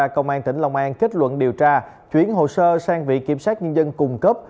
công an tỉnh long an kết luận điều tra chuyển hồ sơ sang viện kiểm sát nhân dân cung cấp